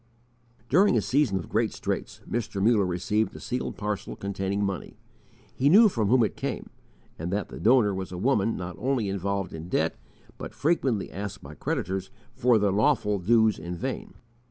During a season of great straits Mr. Muller received a sealed parcel containing money. He knew from whom it came, and that the donor was a woman not only involved in debt, but frequently asked by creditors for their lawful dues in vain.